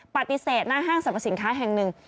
ปฏิเสธหน้าห้างสรรพสินค้าแห่งหนึ่ง